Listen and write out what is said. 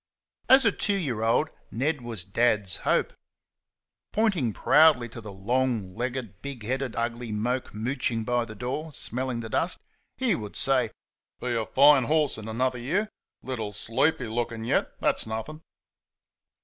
As a two year old Ned was Dad's hope. Pointing proudly to the long legged, big headed, ugly moke mooching by the door, smelling the dust, he would say: "Be a fine horse in another year! Little sleepy looking yet; that's nothing!"